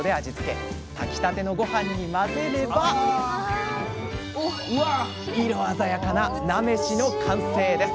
炊きたてのごはんに混ぜれば色鮮やかな菜飯の完成です。